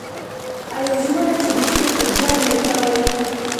او یوه ژمنه چې د شپې به جنګ نه کوئ